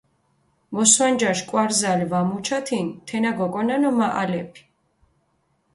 მოსვანჯაშ კვარზალი ვა მუჩათინ თენა გოკონანო მაჸალეფი.